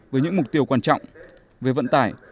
với những mục tiêu quan trọng về vận tải